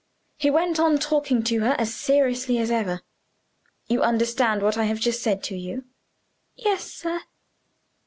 He went on talking to her as seriously as ever. "You understand what I have just said to you?" "Yes, sir."